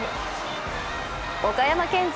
岡山県勢